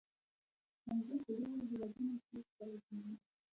• انګور په ډېرو هېوادونو کې کرل کېږي.